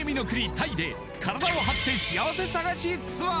タイで体を張って幸せ探しツアー！